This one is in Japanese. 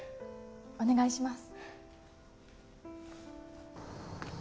お願いします。